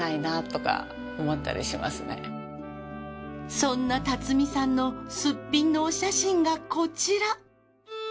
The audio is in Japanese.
そんな巽さんのすっぴんのお写真がこちら。